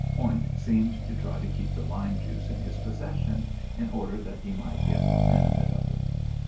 Point seemed to try to keep the lime juice in his possession, in order that he might get more benefit of it.